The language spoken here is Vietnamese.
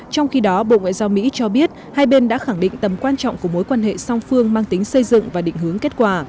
trong khi đó bộ ngoại giao mỹ cho biết hai bên đã khẳng định tầm quan trọng của mối quan hệ song phương mang tính xây dựng và định hướng kết quả